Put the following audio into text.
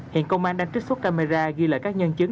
hiện công an đang trích xuất camera ghi lại các nhân chứng